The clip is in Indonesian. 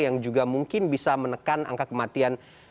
yang juga mungkin bisa menekan angka kematian